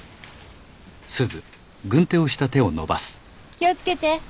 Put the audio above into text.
気を付けて。